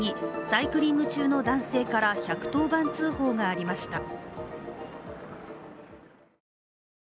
サイクリング中の男性から１１０番通報がありました。